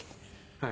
はい。